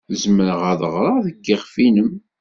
Zemreɣ ad ɣreɣ deg yiɣef-nnem.